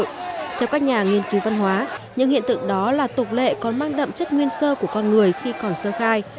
theo các nhà nghiên cứu văn hóa những hiện tượng đó là tục lệ còn mang đậm chất nguyên sơ của con người khi còn sơ khai